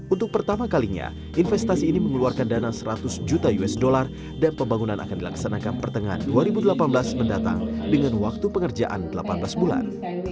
untuk pertama kalinya investasi ini mengeluarkan dana seratus juta usd dan pembangunan akan dilaksanakan pertengahan dua ribu delapan belas mendatang dengan waktu pengerjaan delapan belas bulan